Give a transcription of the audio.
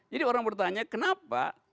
jadi orang bertanya kenapa